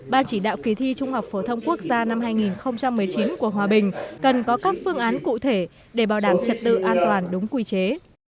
ban chỉ đạo kỳ thi trung học phổ thông quốc gia năm hai nghìn một mươi chín của hòa bình cần có các phương án cụ thể để bảo đảm trật tự an toàn đúng quy chế